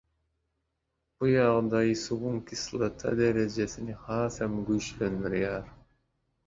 Bu ýagdaý suwuň kislota derejesini hasam güýçlendirýär.